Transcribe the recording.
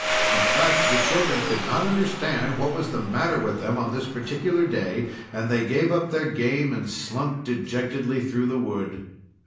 In fact the children could not understand what was the matter with them on this particular day; and they gave up their game, and slunk dejectedly through the wood.